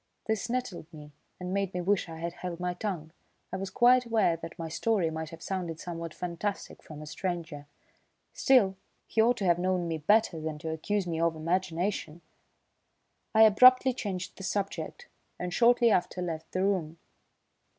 This nettled me and made me wish I had held my tongue. I was quite aware that my story might have sounded somewhat fantastic from a stranger; still, he ought to have known me better than to accuse me of imagination. I abruptly changed the subject, and shortly after left the room.